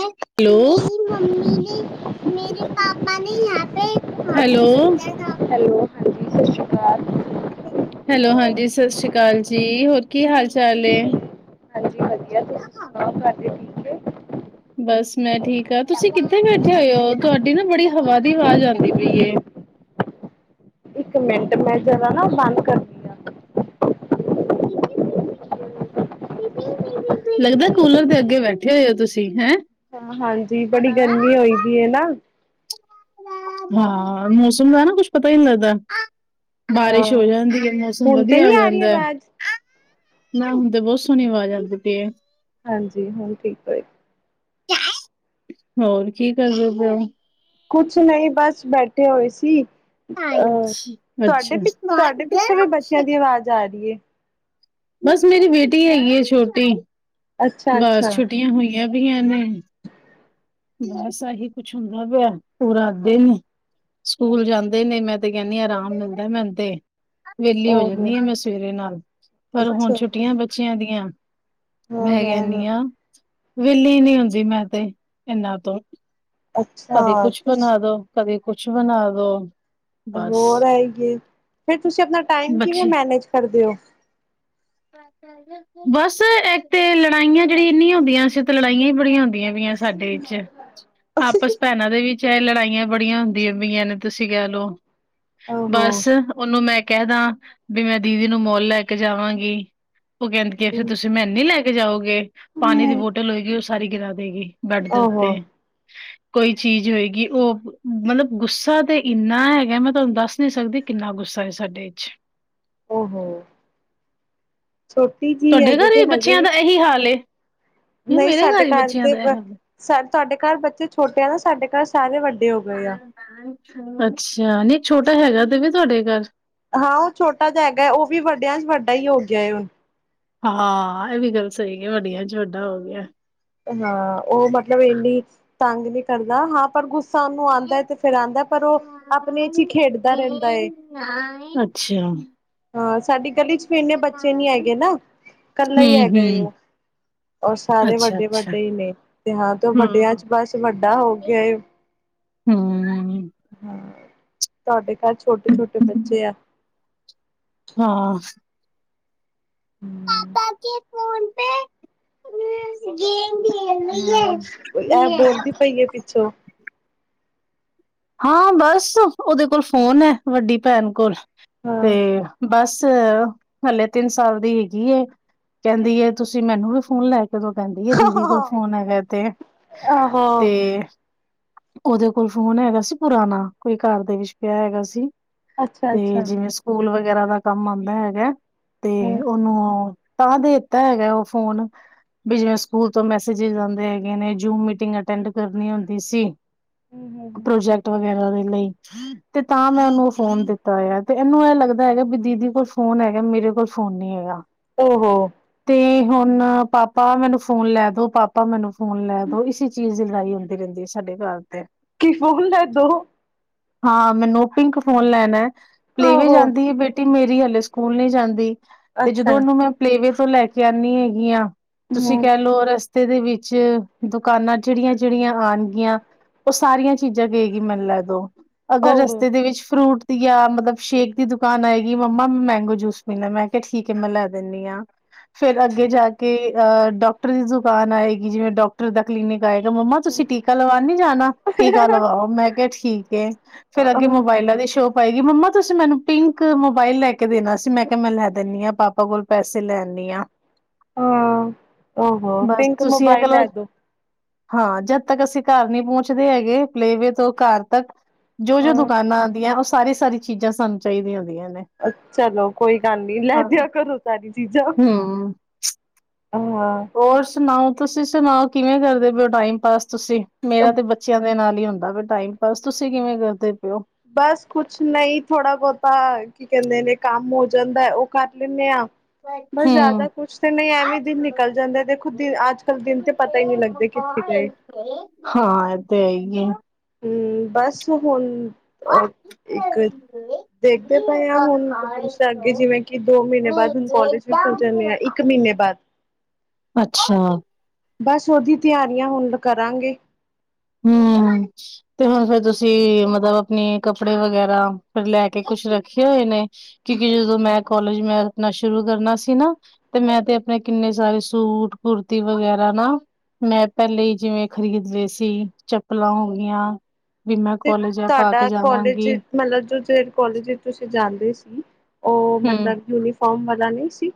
Hello hello hello ਹਾਂਜੀ ਸਤਿ ਸ੍ਰੀ ਅਕਾਲ hello ਹਾਂਜੀ ਸਤਿ ਸ੍ਰੀ ਅਕਾਲ ਜੀ, ਹੋਰ ਕੀ ਹਾਲ- ਚਾਲ ਏ ਆਹ ਕਰਦੀ ਹਟੀ ਬਸ ਮੈਂ ਠੀਕ ਆ, ਤੁਸੀਂ ਕਿੱਥੇ ਬੈਠੇ ਹੋਏ ਓ ਤੁਹਾਡੀ ਨਾ ਬੜੀ ਹਵਾ ਦੀ ਆਵਾਜ਼ ਆਂਉਦੀ ਪਈ ਏ। ਇੱਕ ਮਿੰਟ ਮੈਂ ਜਰਾ ਨਾ ਬੰਦ ਕਰ [inaudible] ਲੱਗਦਾ ਕੂਲਰ ਦੇ ਅੱਗੇ ਬੈਠੇ ਹੋਏ ਓ ਤੁਸੀਂ, ਹੈਂ। ਹਾਂਜੀ ਬੜੀ ਗਰਮੀ ਹੋਈ ਪਈ ਏ ਨਾ। ਹਾਂ, ਮੌਸਮ ਦਾ ਨਾ ਕੁੱਛ ਪਤਾ ਨੀ ਲੱਗਦਾ। ਬਾਰਿਸ਼ ਹੋ ਹਾਂ ਜਾਂਦੀ ਐ, ਮੌਸਮ ਹੁਣ ਤੇ ਵਧੀਆ ਨਹੀਂ ਹੋ ਆ ਰਹੀ ਜਾਂਦਾ। ਆਵਾਜ਼ ਨਾ ਹੁਣ ਤੇ ਬਹੁਤ ਸੋਹਣੀ ਆਵਾਜ਼ ਆਂਉਦੀ ਪਈ ਏ। ਹਾਂਜੀ, ਹੁਣ ਠੀਕ ਹੋਏ। ਹੋਰ ਕੀ ਕਰਦੇ ਪਏ ਓ? ਕੁੱਛ ਨਈ ਬਸ ਬੈਠੇ ਹੋਏ ਸੀ। ਅ ਤੁਹਾਡੇ ਅੱਛਾ, ਪਿੱਛੇ ਤੁਹਾਡੇ ਪਿੱਛੋਂ ਵੀ ਬੱਚਿਆਂ ਦੀ ਆਵਾਜ਼ ਆ ਰੀ ਏ। ਬਸ ਮੇਰੀ ਬੇਟੀ ਹੈਗੀ ਐ ਛੋਟੀ ਅੱਛਾ ਬਸ ਅੱਛਾ ਛੁੱਟੀਆਂ ਹੋਈਆਂ ਵੀਆਂ ਨੇ। ਬਸ ਆਹੀ ਕੁੱਛ ਹੁੰਦਾ ਪਿਆ ਪੂਰਾ ਦਿਨ। ਸਕੂਲ ਜਾਂਦੇ ਨੇ ਮੈਂ ਤੇ ਕੈਨੀ ਆ ਆਰਾਮ ਮਿਲਦਾ ਮੈਨੂੰ ਤੇ। ਵੇਲੀ ਹੋ ਓਹੋ ਜਾਂਨੀ ਆ ਮੈਂ ਸਵੇਰੇ ਨਾਲ ਪਰ ਹੁਣ ਅੱਛਾ ਛੁੱਟੀਆਂ ਬੱਚਿਆਂ ਦੀਆਂ। ਹਾਂ ਮੈਂ ਹਾਂ ਹਾਂ ਕੈਨੀ ਆ ਵੇਲੀ ਨੀ ਹੁੰਦੀ ਮੈਂ ਤੇ ਏਨਾਂ ਤੋਂ। ਅੱਛਾ ਕਦੇ ਕੁੱਛ ਬਣਾ ਦੋ ਕਦੇ ਕੁਛ ਬਣਾ ਦੋ। ਬਸ ਹੋਰ ਰਹਿਗੀਏ ਫੇਰ ਤੁਸੀਂ ਆਪਣਾ ਟਾਈਮ ਕਿਵੇਂ ਬੱਚੇ ਮੈਨੇਜ ਕਰਦੇ ਓ? ਬਸ ਇੱਕ ਤੇ ਲੜਾਈਆਂ ਜੇੜੀ ਇੰਨੀਆਂ ਹੁੰਦੀਆਂ ਸੀ ਤੇ ਲੜਾਈਆਂ ਈ ਬੜੀਆਂ ਹੁੰਦੀਆਂ ਵੀਆਂ ਸੀ। ਸਾਡੇ ਈ ਚ ਆਪਸ ਭੈਣਾਂ ਦੇ ਵਿੱਚ ਐ ਲੜਾਈਆਂ ਬੜੀਆਂ ਹੁੰਦੀਆਂ ਪਈਆਂ ਨੇ ਤੁਸੀਂ ਕੈ ਲੋ। ਓਹੋ ਬਸ ਓਨੂੰ ਮੈਂ ਕੈਦਾ ਵੀ ਮੈਂ ਦੀਦੀ ਨੂੰ ਮੋਲ ਲੈ ਕੇ ਜਾਵਾਂਗੀ। ਓ ਕੈਂਦੀ ਕਿ ਫਿਰ ਤੁਸੀਂ ਮੈਨੀ ਲੈ ਕੇ ਜਾਓਗੇ ਪਾਣੀ ਦੀ ਬੋਟਲ ਹੋਏਗੀ ਓ ਸਾਰੀ ਗਿਰਾ ਦੇਗੀ। ਬੈਡ ਦੇ ਓਹੋ ਉੱਤੇ। ਕੋਈ ਚੀਜ਼ ਹੋਏਗੀ ਓ ਮਤਲਬ ਗੁੱਸਾ ਤੇ ਇੰਨਾ ਹੈਗਾ ਮੈਂ ਤੁਹਾਨੂੰ ਦੱਸ ਨੀ ਸਕਦੀ।। ਕਿੰਨਾ ਗੁੱਸਾ ਐ ਸਾਡੇ ਵਿੱਚ। ਓਹੋ ਛੋਟੀ ਜੀ ਹੈਜੇ ਤੇ ਹਜੇ ਏਹੀ ਹਾਲ ਏ। ਨਹੀਂ ਮੇਰੇ ਸਾਡੇ ਹੀ ਘਰ ਬੱਚਿਆਂ ਤੇ ਦਾ ਇਹ ਹਾਲ ਏ। ਸਾ ਤੁਹਾਡੇ ਘਰ ਬੱਚੇ ਛੋਟੇ ਆ ਨਾ ਸਾਡੇ ਘਰ ਸਾਰੇ ਵੱਡੇ ਹੋ ਗਏ ਆ। ਅੱਛਾ ਨਹੀਂ ਛੋਟਾ ਹੈਗਾ ਤੇ ਵੀ ਤੁਹਾਡੇ ਘਰ ਹਾਂ ਉਹ ਛੋਟਾ ਜਿਹਾ ਹੈਗਾ ਹੈ ਉਹ ਵੀ ਵੱਡਿਆਂ ਚ ਵੱਡਾ ਹੀ ਹੋ ਗਿਆ ਹੁਣ ਹਾਂ ਇਹ ਵੀ ਗੱਲ ਸਹੀ ਹੈ ਵੱਡੀਆਂ ਚ ਵੱਡਾ ਹੋ ਗਿਆ। ਹਾਂ ਉਹ ਮਤਲਬ ਇੰਨੀ ਤੰਗ ਨਹੀਂ ਕਰਦਾ ਹਾਂ ਪਰ ਗੁੱਸ ਸਾਨੂੰ ਆਉਂਦਾ ਹੈ ਤੇ ਫੇਿਰ ਆਉਂਦਾ ਪਰ ਉਹ ਆਪਣੇ ਚ ਹੀ ਖੇਡਦਾ ਰਹਿੰਦਾ ਏ। ਹ ਅੱਛਾ। ਹਾਂ ਸਾਡੀ ਗਲੀ ਚ ਇੰਨੇ ਬੱਚੇ ਨੀ ਹੈਗੇ ਨਾ ਕੱਲਾ ਈ ਹੈਗਾ ਏ ਹੂੰ-ਹੂੰ, ਓ ਔਰ ਸਾਰੇ ਵੱਡੇ ਅੱਛਾ-ਅੱਛਾ, ਵੱਡੇ ਹੀ ਨੇ ਤੇ ਹਾਂ ਤੇ ਵੱਡਿਆਂ ਹੂੰ। ਚ ਬਸ ਵੱਡਾ ਹੋ ਗਿਆ ਏ ਹੂੰ। ਹਾਂ ਤੁਹਾਡੇ ਘਰ ਛੋਟੇ-ਛੋਟੇ ਬੱਚੇ ਆ ਹਾਂ। ਹੂੰ। ਪਾਪਾ ਕੀ ਫੋਨ ਪੇ ਹੂੰ। ਗੇਮ ਖੇਲ ਰੀ ਐ ਗੇਮ। ਕਿਆ ਪਿੱਛੋਂ ਹਾਂ ਬਸ ਓਦੇ ਕੋਲ ਫੋਨ ਐ ਵੱਡੀ ਭੈਣ ਕੋਲ ਤੇ ਹਾਂ ਬਸ ਹਲੇ ਤਿੰਨ ਸਾਲ ਦੀ ਹੈਗੀ ਏ ਕੈਂਦੀ ਤੁਸੀਂ ਮੈਨੂੰ ਵੀ ਫੋਨ ਲੈ ਉਦੋਂ ਕਹਿੰਦੀ ਐ ਦੀਦੀ ਕੋਲ ਫੋਨ ਹੈਗਾ ਆਹੋ ਤੇ-ਤੇ ਉਹਦੇ ਕੋਲ ਫੋਨ ਹੈਗਾ ਸੀ ਪੁਰਾਣਾ ਕੋਈ ਘਰ ਦੇ ਵਿੱਚ ਪਿਆ ਹੈਗਾ ਸੀ। ਅੱਛਾ ਤੇ ਅੱਛਾ ਜਿਵੇਂ ਸਕੂਲ ਵਗੈਰਾ ਦਾ ਕੰਮ ਆਉਂਦਾ ਹੈਗਾ ਤੇ ਹਮ ਉਹਨੂੰ ਤਾਂ ਦੇਤਾ ਹੈਗਾ ਉਹ ਫੋਨ ਵੀ ਜਿਵੇਂ ਸਕੂਲ ਤੋਂ ਮੈਸਜ ਆਂਦੇ ਹੈਗੇ ਨੇ ਜੂਮ ਮੀਟਿੰਗ ਅਟੈਂਡ ਕਰਨੀ ਹੁੰਦੀ ਸੀ। ਹਮ ਪ੍ਰੋਜੈਕਟ ਵਗੈਰਾ ਦੇ ਲਈ ਤੇ ਤਾਂ ਮੈਂ ਉਹਨੂੰ ਉਹ ਫੋਨ ਦਿੱਤਾ ਹੋਇਆ ਤੇ ਇਹਨੂੰ ਇਹ ਲੱਗਦਾ ਹੈਗਾ ਵੀ ਦੀਦੀ ਕੋਲ ਫੋਨ ਹੈਗਾ ਮੇਰੇ ਕੋਲ ਫੋਨੇ ਨਹੀਂ ਆਇਆ। ਓ ਹੋੋ ਤੇ ਹੁਣ ਪਾਪਾ ਮੈਨੂੰ ਫੋਨ ਲੈਦੋ- ਪਾਪਾ ਮੈਨੂੰ ਫੋਨ ਲੈਦੋ ਇਸ ਚੀਜ਼ ਲੜਾਈ ਹੁੰਦੀ ਰਹਿੰਦੀ ਹੈ ਸਾਡੇ ਘਰ ਤੇ। ਕਿ ਫੋਨ ਲੈਦੋ। ਹਾਂ, ਮੈਨੋ ਪਿੰਕ ਫੋਨ ਲੈਣਾ ਹੈ ਪਲੇਵੇ ਆਹੋ ਜਾਂਦੀ ਹੈ ਬੇਟੀ ਮੇਰੀ ਹਲੇ ਸਕੂਲ ਨਹੀਂ ਜਾਂਦੀ। ਤੇ ਜਦੋਂ ਅੱਛਾ ਉਹਨੂੰ ਮੈਂ ਪਲੇਵੇ ਤੋਂ ਲੈ ਕੇ ਆਉਂਦੀ ਹੈਗੀ ਹਾਂ ਤੁਸੀਂ ਹਮ ਕਹਿ ਲਓ ਰਸ ਰਸਤੇ ਦੇ ਵਿੱਚ ਦੁਕਾਨਾਂ ਜਿਹੜੀਆਂ- ਜਿਹੜੀਆਂ ਆਉਣਗੀਆਂ ਉਹ ਸਾਰੀਆਂ ਚੀਜ਼ਾਂ ਜਗੇਏਗੀ ਮੰਨ ਲੈ ਦੋ ਅਗਰ ਓਹੋ ਰਸਤੇ ਦੇ ਵਿੱਚ ਫਰੂਟ ਜਾਂ ਮਤਲਬ ਸ਼ੇਕ ਦੀ ਦੁਕਾਨ ਆਏਗੀ ਮੰਮਾ ਮੈਂਗੋ ਜੂਸ ਪੀਣਾ ਮੈਂ ਕਿਹਾ ਠੀਕ ਹੈ ਮੈਂ ਲੈ ਦਿੰਦੀ ਹਾਂ। ਫੇਰ ਅੱਗੇ ਜਾ ਕੇ ਅਹ ਡਾਕਟਰ ਦੀ ਦੁਕਾਨ ਆਏਗੀ, ਜਿਵੇਂ ਡਾਕਟਰ ਦਾ ਕਲੀਨਿਕ ਆਏਗਾ ਮੰਮਾ ਤੁਸੀਂ ਟੀਕਾ ਲਵਾਨਾ। ਨੀ ਜਾਣਾ ਟੀਕਾ ਲਵਾਓ, ਮੈਂ ਕਿਹਾ ਠੀਕ ਹੈ ਫੇਰ ਹਾਂ ਅੱਗੇ ਮੋਬਾਇਲਾਂ ਦੀ ਸ਼ੋਪ ਪਏਗੀ ਮੰਮਾ ਤੁਸੀਂ ਮੈਨੂੰ ਪਿੰਕ ਮੋਬਾਇਲ ਲੈ ਕੇ ਦੇਣਾ ਸੀ, ਮੈਂ ਕਿਹਾ ਮੈਂ ਲੈ ਦਿੰਦੀ ਹਾਂ ਪਾਪਾ ਕੋਲ। ਪੈਸੇ ਲੈਆਨਿਆ ਆ। ਹਾਂ, ਔ-ਹੋ ਬਸ ਪਿੰਕ ਤੁਸੀਂ ਇਹ ਮੋਬਾਈਲ ਗੱਲ ਲੈਦੋ। ਹਾਂ, ਜਦ ਤੱਕ ਅਸੀਂ ਘਰ ਨਹੀਂ ਪਹੁੰਚਦੇ ਹੈਗੇ ਪਲੇਵੇ ਤੋਂ ਘਰ ਤੱਕ ਜੋ-ਜੋ ਹਾਂ ਦੁਕਾਨਾਂ ਆਉਂਦੀਆਂ ਉਹ ਸਾਰੀ- ਸਾਰੀ ਚੀਜ਼ਾਂ ਸਾਨੂੰ ਚਾਹੀਦੀਆਂ ਹੁੰਦੀਆਂ ਨੇ। ਅਛਾ, ਚਲੋ ਕੋਈ ਗੱਲ ਨੀ ਲੈ ਹਮ ਦਿਆ ਕਰੋਂ ਸਾਰੀ ਚੀਜ਼ਾਂ। ਹਾਂ। ਹੋਰ ਸੁਣਾਓ ਤੁਸੀਂ ਸੁਣਾਓ ਕਿਵੇਂ ਕਰਦੇ ਪਏਹੋ ਟਾਈਮ ਪਾਸ ਤੁਸੀਂ, ਮੇਰਾ ਤੇ ਬੱਚਿਆਂ ਦੇ ਨਾਲ ਹੁੰਦਾ ਵੀ ਟਾਈਮ ਪਾਸ ਤੁਸੀਂ ਕਿਵੇਂ ਕਰਦੇ ਪਿਏ ਹੋ? ਬਸ ਕੁਛ ਨਹੀਂ ਥੋੜਾ ਬਹੁਤਾ ਕੀ ਕਹਿੰਦੇ ਨੇ ਕੰਮ ਹੋ ਜਾਂਦਾ ਉਹ ਕਰ ਲੈਂਦੇ ਆ। ਬਸ ਹਮ ਜ਼ਿਆਦਾ ਕੁਛ ਤਾਂ ਨਹੀਂ ਐਵੇਂ ਦਿਨ ਨਿਕਲ ਜਾਂਦਾ ਦੇਖੋ ਦਿ ਅੱਜ-ਕੱਲ੍ਹ ਦਿਨ ਤੇ ਪਤਾ ਹੀ ਨਹੀਂ ਲੱਗਦੇ ਕਿੱਥੇ ਗਏ? ਹਾਂ, ਇਹ ਤੇ ਹੈ ਹੀ ਹੈ। ਹੂੰ, ਬਸ ਹੁਣ ਅ ਇੱਕ ਦੇਖਦੇ ਪਏ ਹਾਂ ਹੁਣ, ਅੱਗੇ ਜਿਵੇਂ ਕਿ ਦੋ ਮਹੀਨੇ ਬਾਅਦ ਹੁਣ ਕਾਲਜ ਵੀ ਖੁ ਖੁੱਲ ਜਾਣੇ ਆ ਇੱਕ ਮਹੀਨੇ ਬਾਅਦ। ਅੱਛਾ। ਬਸ ਉਹਦੀ ਤਿਆਰੀਆਂ ਹੁਣ ਕਰਾਂਗੇ। ਹੂੰ। ਤੇ ਹੁਣ ਫੇਰ ਤੁਸੀਂ ਮਤਲਬ ਆਪਣੇ ਕੱਪੜੇ ਵਗੈਰਾ ਫਿਰ ਲੈ ਕੇ ਕੁੱਛ ਰੱਖੇ ਹੋਏ ਨੇ। ਕਿਉਂਕਿ ਜਦੋਂ ਮੈਂ ਕਾਲਜ ਮੈਂ ਆਪਣਾ ਸ਼ੁਰੂ ਕਰਨਾ ਸੀ ਨਾ। ਤੇ ਮੈਂ ਤੇ ਆਪਣੇ ਕਿੰਨੇ ਸਾਰੇ ਸੂਟ ਕੁੁਰਤੀ ਵਗੈਰਾ ਨਾ ਮੈਂ ਪਹਿਲੇ ਹੀ ਜਿਵੇਂ ਖ਼ਰੀਦ ਲਏ ਸੀ ਚੱਪਲਾਂ ਹੋ ਗਈਆਂ। ਵੀ ਮੈਂ ਤੇ ਕੋਲਜ ਇਹ ਪਾ ਕੇ ਤੁਹਾਡਾ ਕਾਲਜ ਜਾਵਾਂਗੀ। ਮਤਲਬ ਜੋ ਜਿਹੇ ਕੋਲਜ ਵਿੱਚ ਤੁਸੀਂ ਜਾਂਦੇ ਸੀ ਉਹ ਹੂੰ ਮਤਲਬ ਯੂਨੀਫਾਰਮ ਵਾਲਾ ਨਹੀਂ ਸੀ।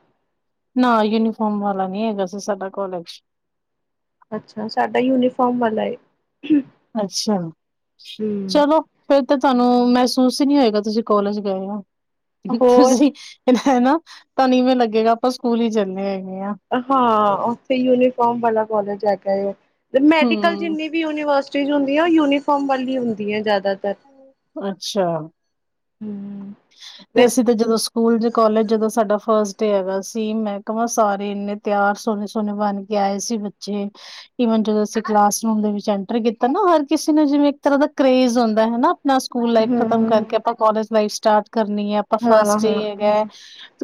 ਨਾ, ਯੂਨੀਫਾਰਮ ਵਾਲਾ ਨਹੀਂ ਹੈਗਾ ਸੀ ਸਾਡਾ ਕੋਲੇਜ ਅੱਛਾ, ਸਾਡਾ ਯੂਨੀਫਾਰਮ ਵਾਲਾ ਏ। ਅੱਛਾ, ਚਲੋ। ਫਿਰ ਤਾਂ ਥੁਹਾਨੂੰ ਮਹਿਸੂਸ ਹੀ ਨਹੀਂ ਹੋਏਗਾ, ਤੁਸੀਂ ਕੌਲਜ ਗਏ ਉ ਹੋਰ ਤੁਸੀਂ ਹੈਨਾ ਤੁਹਾਨੂੰ ਇਵੇ ਲੱਗੇਗਾ ਆਪਾਂ ਸਕੂਲ ਹੀ ਚੱਲੇ ਹੈਗੇ ਹਾਂ। ਹਾਂ, ਉੱਥੇ ਯੂਨੀਫਾਰਮ ਵਾਲਾ ਕਾਲਜ ਹੈਗਾ ਤੇ ਮੈਡੀਕਲ ਵਿਚ ਹੂੰ, ਜਿੰਨੀ ਵੀ ਯੂਨੀਵਰਸਿਟੀ ਜੋ ਹੁੰਦੀਆਂ ਯੂਨੀਫਾਰਮ ਵਾਲੀ ਹੁੰਦੀ ਏ ਜ਼ਿਆਦਾਤਰ। ਅੱਛਾ। ਹੂੰ। ਤੇ ਅਸੀਂ ਤੇ ਜਦੋਂ ਸਕੂ ਸਕੂਲ ਜੇ ਕਾਲਜ ਜਦੋਂ ਸਾਡਾ ਫਸਟ ਡੇ ਹੈਗਾ ਸੀ ਮੈਂ ਕਵਾਂ ਸਾਰੇ ਇੰਨੇ ਤਿਆਰ ਸੋਹਣੇ-ਸੋਹਣੇ ਬਣ ਕੇ ਆਏ ਸੀ ਬੱਚੇ। ਇਵਨ ਜਦੋਂ ਅਸੀਂ ਕਲਾਸ ਰੂਮ ਦੇ ਵਿੱਚ ਐਂਟਰ ਕੀਤਾ ਨਾ ਹਰ ਕਿਸੇ ਨੂੰ ਜਿਵੇ ਇੱਕ ਤਰ੍ਹਾਂ ਦਾ ਕਰੇਜ ਹੁੰਦਾ ਹੈਨਾ? ਨਾ ਸਕੂਲ ਲਾਈਫ ਹਾਂ ਖ਼ਤਮ ਕਰਕੇ ਆਪਾਂ ਕਾਲਜ ਲਾਈਫ ਸਟਾਰਟ ਕਰਨੀ ਏ ਆਪਾਂ ਹਾਂ ਹਾਂ ਫਸਟ ਡੇ ਹਾਂ ਹੈਗਾ ਹੈ।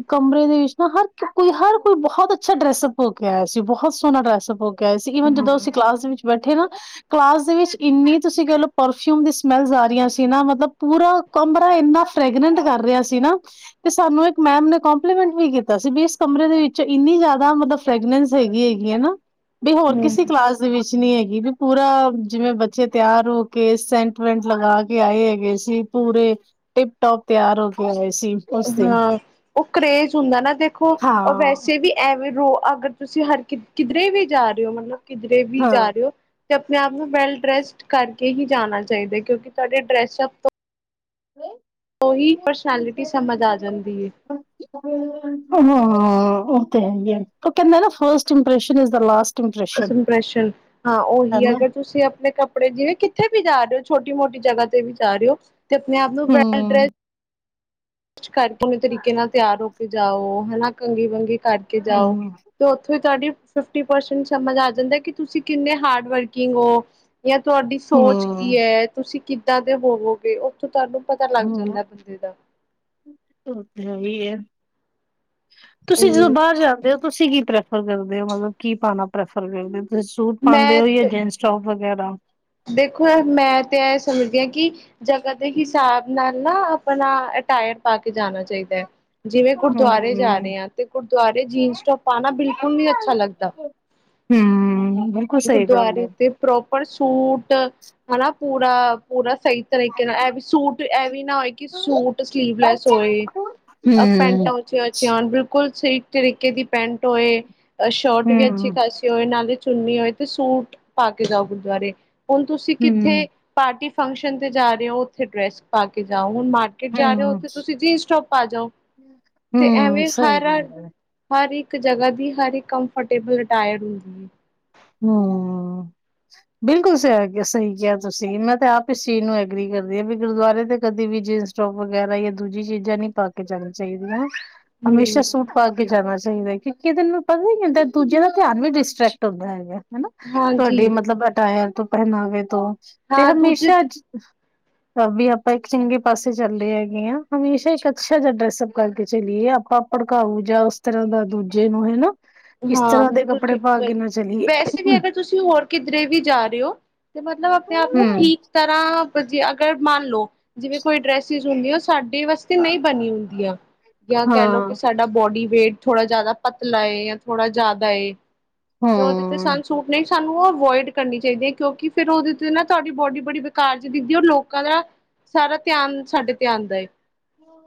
ਕਮਰੇ ਦੇ ਵਿੱਚ ਨਾ ਹਰ ਕ ਕੋਈ-ਹਰ ਕੋਈ ਬਹੁਤ ਅੱਛਾ ਡਰੈਸਅੱਪ ਹੋ ਕੇ ਆਇਆ ਸੀ, ਬਹੁਤ ਸੋਹਣਾ ਡਰੈਸਅਪ ਹੋਕੇ ਗਏ ਸੀ ਹਾਂ ਈਵਨ ਜਦੋਂ ਅਸੀਂ ਹਮ ਕਲਾਸ ਦੇ ਵਿੱਚ ਬੈਠੇ ਨਾ। ਕਲਾਸ ਦੇ ਵਿੱਚ ਇੰਨੀ ਤੁਸੀਂ ਕਹਿ ਲਓ ਪਰਫਿਊਮ ਦੀ ਸਮੈਲਸ ਆ ਰਹੀਆਂ ਸੀ ਨਾ, ਮਤਲਬ ਪੂਰਾ ਕਮਰਾ ਇੰਨਾ ਫਰੈਗਨੈਂਟ ਕਰ ਰਿਹਾ ਸੀ ਨਾ। ਤੇ ਸਾਨੂੰ ਇੱਕ ਮੈਮ ਨੇ ਕੋਂਪਲੀਮੈਂਟ ਵੀ ਕੀਤਾ ਸੀ ਵੀ ਇਸ ਕਮਰੇ ਦੇ ਵਿੱਚ ਇੰਨੀ ਜ਼ਿਆਦਾ ਮਤਲਬ ਫਰੈਗਨੈਂਸ ਹੈਗੀ-ਹੈਗੀ ਹੈਨਾ ਬੀ ਹੋਰ ਕਿਸੇ ਕਲਾਸ ਵਿੱਚ ਨਹੀਂ ਹੈਗੀ ਵੀ ਪੂਰਾ ਜਿਵੇਂ ਬੱਚੇ ਤਿਆਰ ਹੋ ਕੇ ਸੈਂਟ-ਵੈਂਟ ਲਗਾ ਕੇ ਆਏ ਹੈਗੇ ਸੀ। ਪੂਰੇ ਟਿਪ ਟੋਪ ਤਿਆਰ ਹੋ ਕੇ ਆਏ ਸੀ। ਉਸ ਦਿਨ ਹਾਂ, ਉਹ ਕਰੇਜ਼ ਹੁੰਦਾ ਨਾ ਦੇਖੋ ਹਾਂ, ਔ ਵੈਸੇ ਵੀ ਐਵੇਂ ਰੋ ਅਗਰ ਤੁਸੀਂ ਹਰ ਕਿ ਕਿਧਰੇ ਵੀ ਜਾ ਰਹੇ ਹੋ ਮਤਲਬ ਕਿਧਰੇ ਵੀ ਜਾ ਹਾਂ, ਰਹੇ ਓ? ਤੇ ਆਪਣੇ-ਆਪ ਨੂੰ ਵੈਲ ਡਰੈਸਡ ਕਰਕੇ ਹੀ ਜਾਣਾ ਚਾਹੀਦਾ ਏ ਕਿਉਂਕਿ ਤੁਹਾਡੇ ਡਰੈਸਪ ਤੋਂ ਉਹੀ ਪਰਸੈਲਿਟੀ ਸਮਝ ਆ ਜਾਂਦੀ ਏ। ਹਾਂ, ਉਹ ਤੇ ਹੈਹੀ ਏ ਉਹ ਕਹਿੰਦੇ ਨਾ first impression is the last first impression impression ਹਾਂ, ਉਹੀ ਆ ਹਨਾ। ਅਗਰ ਤੁਸੀਂ ਆਪਣੇ ਕੱਪੜੇ ਜਿਵੇਂ ਕਿੱਥੇ ਵੀ ਜਾ ਰੇ ਹੋ ਛੋਟੀ-ਮੋਟੀ ਜਗ੍ਹਾ ਤੇ ਵੀ ਜਾ ਰੇ ਹੋ। ਤੇ ਆਪਣੇ-ਆਪ ਨੂੰ ਵੈਲ ਹੂੰ, ਡ੍ਰੈੱਸ ਕੁਛ ਵਖਰੇ ਤਰੀਕੇ ਨਾਲ ਤਿਆਰ ਹੋ ਕੇ ਜਾਓ ਹੈਨਾ ਕੰੰਘੀ-ਵੰਗੀ ਕਰਕੇ ਜਾਓ। ਹੂੰ, ਤੈ ਉਥੋਂ ਈ ਤੁਹਾਡੀ ਫਿਫਟੀ ਪਰਸੈਂਟ ਸਮਝ ਆ ਜਾਦਾ ਕਿ ਤੁਸੀਂ ਕਿੰਨੇ ਹਾਰਡ ਵਰਕਿੰਗ ਓ? ਜਾਂ ਤੁਹਾਡੀ ਸੋਚ ਕੀ ਹੂੰ, ਏ ਤੁਸੀਂ ਕਿੱਦਾਂ ਦੇ ਹੋਵੋਗੇ ਉਹ ਓ ਤੁਹਾਨੂੰ ਪਤਾ ਲੱਗ ਹੂੰ। ਜਾਂਦਾ ਬੰਦੇ ਦਾ। ਉਹ ਤੇ ਹੈਹੀ ਹੈ, ਤੁਸੀਂ ਇਦਰੋ ਉਹੀ ਬਾਹਰ ਜਾ ਤੁਸੀਂ ਕੀ ਪ੍ਰੈਫਰ ਕਰਦੇ ਹੋ ਮਤਲਬ ਕੀ ਪਾਉਣਾ ਪ੍ਰੈਫਰ ਕਰਦੇ ਹੋ ਤੁਸੀਂ ਸੂਟ ਪਾਉਂਦੇ ਮੈਂ ਹੋ ਜਾਂ ਜੀਨਸ? ਟੋਪ ਵਗੈਰਾ ਦੇਖੋ ਮੈਂ ਤੇ ਇਹ ਸਮਝਦੀ ਹਾਂ ਕਿ ਜਗਾ ਦੇ ਹਿਸਾਬ ਨਾਲ ਨਾ ਆਪਣਾ ਅਟਾਇਰ ਪਾ ਕੇ ਜਾਣਾ ਚਾਹੀਦਾ ਹੈ। ਜਿਵੇਂ ਗੁਰਦੁਆਰੇ ਜਾ ਹੂੰ, ਰਹੇ ਆ ਤੇ ਗੁਰਦੁਆਰੇ ਜੀਨਸ ਟੋਪ ਪਾਣਾ ਬਿਲਕੁਲ ਨੀ ਅੱਛਾ ਲੱਗਦਾ। ਹੂੰ। ਸਹੀ ਗੱਲ ਹੈ। ਗੁਰਦੁਆਰੇ ਤੇ ਪ੍ਰੋਪਰ ਸੂਟ ਹੈਨਾ ਪੂਰਾ-ਪੂਰਾ ਸਹੀ ਤਰੀਕੇ ਨਾਲ ਇਹ ਵੀ ਸੂਟ ਇਹ ਵੀ ਨਾ ਹੋਏ ਕਿ ਸੂਟ ਸਲੀਵਲੈਸ ਹੋਏ ਇਹ ਹੂੰ, ਪੈਂਟਾਂ ਉਪ ਚਾਂ-ਚਾਂ ਬਿਲਕੁਲ ਸਹੀ ਤਰੀਕੇ ਦੀ ਪੈਂਟ ਹੋਏ ਅ ਸ਼ਰਟ ਵੀ ਅੱਛੀ ਹੂੰ, ਖਾਸ ਹੋਏ ਨਾਲੇ ਚੁੰਨੀ ਹੋਏ ਤੇ ਸੂਟ ਪਾ ਕੇ ਜਾਓ ਗੁਰਦੁਆਰੇ ਹੁਣ ਤੁਸੀਂ ਕਿੱਥੇ ਹੂੰ, ਪਾਰਟੀ, ਫੰਕਸ਼ਨ ਤੇ ਜਾ ਰਹੇ ਓ ਉੱਥੇ ਡਰੈਸ ਪਾ ਕੇ ਜਾਓ ਹੁਣ ਮ ਕੇ ਜਾ ਰਹੇ ਉ ਹੂੰ, ਤੇ ਤੁਸੀਂ ਜੀਨ ਸਟੋਪ ਪਾ ਜਾਓ ਤੇ ਹੂੰ ਐਵੇਂ ਸਹੀ ਹਰ-ਹਰ ਗੱਲ ਹੈ। ਹਰ ਇੱਕ ਜਗ੍ਹਾ ਦੀ ਹਰ ਇੱਕ ਕੰਮਫਰਟੇਬਲ ਇਨਟਾਇਰਡ ਹੁੰਦੀ ਹੈ। ਹਾਂ। ਬਿਲਕੁਲ ਸ ਸਹੀ ਕਿਹਾ ਤੁਸੀਂ, ਮੈਂ ਤੇ ਆਪ ਇਸ ਚੀਜ਼ ਨੂੰ ਐਗਰੀ ਕਰਦੀ ਅ ਵੀ ਗੁਰਦੁਆਰੇ ਤੇ ਕਦੇ ਵੀ ਜੀਨਸ ਟੋਪ ਵਗੈਰਾ ਜਾਂ ਦੂਜੀ ਚੀਜ਼ਾਂ ਨੀ ਪਾ ਕੇ ਜਾਣੀ ਚਾਹੀਦੀਆਂ ਨਾ। ਹਮੇਸ਼ਾ ਹਮ ਸੂਟ ਪਾ ਕੇ ਜਾਣਾ ਚਾਹੀਦਾ, ਕਿਉਂਕਿ ਇਹਦੇ ਨਾਲ ਪਤਾ ਕੀ ਹੁੰਦਾ ਦੂਜੇ ਦਾ ਧਿਆਨ ਵੀ ਡਿਸਟਰ੍ਰੈਕਟ ਹੁੰਦਾ ਹੈ। ਹੈਨਾ ਤੁਹਾਡੀ ਹਾਂਜੀ ਮਤਲਬ ਅਟਾਇਰ ਤੋਂ ਪਹਿਨਾਵੇ ਤੋਂ ਤੇ ਹਾਂ ਦੂਜੇ ਹਮੇਸ਼ਾ ਅੱਜ ਤਾਂ ਵੀ ਆਪਾਂ ਇੱਕ ਚੰਗੇ ਪਾਸੇ ਚੱਲ ਰਹੇ ਹੈਗੇ ਹਾਂ, ਹਮੇਸ਼ਾ ਇੱਕ ਅੱਛਾ ਜਿਹਾ ਡਰੈਸਅਪ ਕਰਕੇ ਚਲੀਏ ਆਪਾਂ ਭੜਕਾਊ ਜਾਂ, ਉਸ ਤਰ੍ਹਾਂ ਦਾ ਦੂਜੇ ਨੂੰ ਹੈਨਾ ਇਸ ਹਾਂ ਤਰ੍ਹਾਂ ਦੇ ਬਿਲਕੁਲ ਕੱਪੜੇ ਠੀਕ ਪਾ ਵ ਕੇ ਨਾ ਚਲੀਏ। ਵੈਸੇ ਵੀ ਅਗਰ ਤੁਸੀਂ ਹੋਰ ਕਿਧਰੇ ਵੀ ਜਾ ਰਹੇ ਹੋ ਤੇ ਮਤਲਬ ਆਪਣੇ ਆਪ ਨੂੰ ਹਮ ਠੀਕ ਤਰ੍ਹਾਂ ਜੀ ਅਗਰ ਮੰਨ ਲਓ ਜਿਵੇਂ ਕੋਈ ਡਰੈਸ ਹੁੰਦੀ ਉਹ ਸਾਡੇ ਵਾਸਤੇ ਨਹੀਂ ਬਣੀ ਹੁੰਦੀ ਆ। ਜਾਂ ਕਹਿ ਲਓ ਕਿ ਹਾਂ ਸਾਡਾ ਬੋਡੀ ਵੇਟ ਥੋੜ੍ਹਾ ਜਿਆਦਾ ਪਤਲਾ ਏ ਜਾਂ ਥੋੜ੍ਹਾ ਜ਼ਿਆਦਾ ਏ। ਤੇ ਉਹਦੇ ਤੇ ਹਮ ਸਾਨ ਸੂਟ ਨਹੀਂ ਸਾਨੂੰ ਅਵੋਇਡ ਕਰਨੀ ਚਾਹੀਦੀ ਹੈ ਕਿਉਂਕਿ ਫਿਰ ਉਹਦੇ ਤੇ ਨਾ ਤੁਹਾਡੀ ਬੋਡੀ ਬੜੀ ਘਰ ਚ ਦਿੰਖਦੀ ਹੈ ਔਰ ਲੋਕਾਂ ਦਾ ਸਾਰਾ ਧਿਆਨ ਸਾਡੇ ਤੇ ਆਉਂਦਾ ਏ।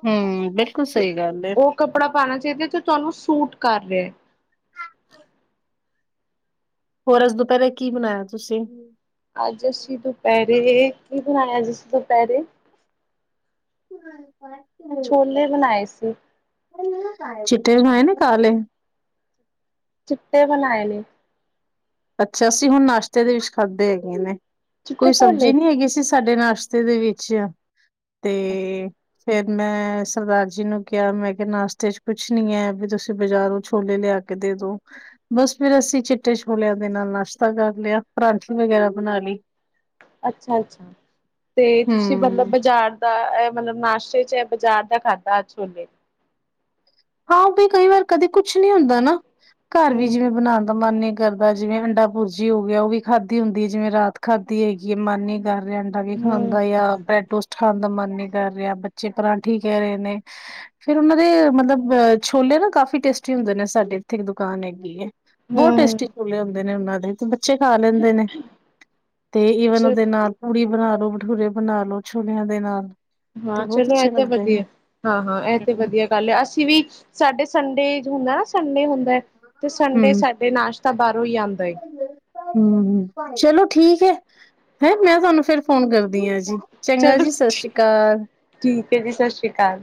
ਹੂੰ ਬਿਲਕੁਲ ਸਹੀ ਗੱਲ ਉਹ ਕੱਪੜਾ ਪਾਉਣਾ ਚਾਹੀਦਾ ਤੇ ਤੁਹਾਨੂੰ ਸੂਟ ਕਰ ਰਿਆ। ਹਾਂ ਹੋਰ ਅਜ ਦੁਪਹਿਰੇ ਕੀ ਬਣਾਇਆ ਤੁਸੀਂ ਅੱਜ ਅਸੀਂ ਦੁਪਹਿਰੇ, ਕੀ ਬਣਾਇਆ ਅੱਜ ਅਸੀਂ ਦੁਪਹਿਰੇ ਹਮ ਛੋਲੇ ਬਣਾਏ ਸੀ ਚਿੱਟੇ ਬਣਾਏ ਨੇ ਕਾਲੇ ਚਿੱਟੇ ਬਣਾਏ ਨੇ ਅੱਛਾ ਅਸੀਂ ਹੁਣ ਨਾਸ਼ਤੇ ਦੇ ਵਿੱਚ ਖਾਧੇ ਹੈਗੇ ਨੇ, ਚਿੱਟੇ ਕੋਈ ਛੋਲੇ ਸਬਜ਼ੀ ਨੀ ਹੈਗੀ ਸੀ ਸਾਡੇ ਨਾਸ਼ ਨਾਸ਼ਤੇ ਦੇ ਵਿੱਚ, ਤੇ ਫਿਰ ਮੈਂ ਸਰਦਾਰ ਜੀ ਨੂੰ ਕਿਹਾ ਮੈਂ ਕਿਹਾ ਨਾਸ਼ਤੇ ਚ ਕੁਛ ਨੀ ਹੈ ਵੀ ਤੁਸੀਂ ਬਾਜ਼ਾਰੋਂ ਛੋਲੇ ਲਿਆ ਦੋ ਦੇ ਦੋ, ਬਸ ਫੇਰ ਅਸੀਂ ਚਿੱਟੇ ਛੋ ਛੋਲਿਆਂ ਦੇ ਨਾਲ ਨਾਸ਼ਤਾ ਕਰ ਲਿਆ, ਪਰਾਂਠੇ ਵਗੈਰਾ ਬਣਾ ਲਈ ਅੱਛਾ, ਅੱਛਾ ਤੇ ਤੁਸੀਂ ਹੂੰ। ਮਤਲਬ ਬਾਜ਼ਾਰ ਤ ਇਹ ਮਤਲਬ ਨਾਸ਼ਤੇ ਚ ਬਾਜ਼ਾਰ ਦਾ ਖਾਧਾ ਅੱਜ ਛੋਲੇ ਹਾਂ ਵੀ ਕਈ ਵਾਰ ਕਦੇ ਕੁਛ ਨੀ ਹੁੰਦਾ ਨਾ, ਘਰ ਵੀ ਹੂੰ ਜਿਵੇਂ ਬਣਾਉਣ ਲੳ ਦਾ ਮਨ ਨੀ ਕਰਦਾ ਜਿਵੇਂ ਅੰਡਾ ਭੁਰਜੀ ਹੋ ਗਿਆ ਉਹ ਵੀ ਖਾਧੀ ਹੁੰਦੀ ਹੈ ਜਿਵੇਂ ਰਾਤ ਖਾਧੀ ਹੈਗੀ ਹੈ ਮਨ ਨੀ ਕਰ ਰਿਹਾ ਅਗੇ ਹੂੰ ਖਾਂਦਾ ਆ ਬ੍ਰੈਡ ਟੋਸਟ ਖਾਣ ਦਾ ਮਨ ਨੀ ਕਰ ਰਿਹਾ, ਬੱਚੇ ਪਰਾਂਠੀ ਕਹਿ ਰਹੇ ਨੇ, ਫਿਰ ਉਹਨਾਂ ਦੇ ਮਤਲਬ ਅ ਛੋਲੇ ਨਾ ਕਾਫੀ ਟੇਸਟੀ ਹੁੰਦੇ ਨੇ ਸਾਡੇ ਇੱਥੇ ਇੱਕ ਦੁਕਾਨ ਹੈਗੀ ਏ, ਬਹੁਤ ਹੂੰ ਹੂੰ ਟੇਸਟੀ ਕੂਲੇ ਹੁੰਦੇ ਨੇ, ਉਹਨਾਂ ਦੇ ਤੇ ਬੱਚੇ ਖਾ ਲੈਂਦੇ ਨੇ, ਤੇ ਈਵਨ ਉਹਦੇ ਚਲੋ ਨਾਲ ਪੂੜੀ ਬਣਾ ਲੋ, ਭਟੂਰੇ ਬਣਾ ਲੋ ਛੋਲਿਆਂ ਦੇ ਨਾਲ ਹਾਂ ਤੇ ਬਹੁਤ ਚਲੋ ਇਹ ਅੱਛੇ ਤਾਂ ਲੱਗਦੇ ਵਧੀਆ, ਨੇ ਹਾਂ- ਹਾਂ ਇਹ ਤੇ ਵਧੀਆ ਪਹਿਲੇ ਅਸੀਂ ਵੀ, ਸਾਡੇ ਸੰਡੇ ਹੁੰਦਾ ਨਾ ਸੰਡੇ ਹੁੰਦਾ ਹੈ, ਤੇ ਸੰਡੇ ਹਮ ਸਾਡੇ ਨਾਸ਼ਤਾ ਤਾਂ ਬਾਹਰੋਂ ਹੀ ਲਿਆਉਦੇ। ਹਮ ਹ, ਚਲੋ ਠੀਕ ਹੈ ਹੈ ਮੈਂ ਤੁਹਾਨੂੰ ਫਿਰ ਫੋਨ ਕਰਦੀ ਹਾਂ ਜੀ। ਚੰਗਾ ਚਲੋ ਜੀ ਸਤਿ ਸ਼੍ਰੀ ਅਕਾਲ ਠੀਕ ਹੈ ਜੀ ਸਤਿ ਸ੍ਰੀ ਅਕਾਲ।